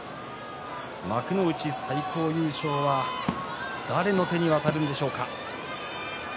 幕内最高優勝は誰の手に渡るのでしょうか。